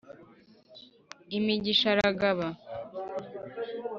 Imigisha aragaba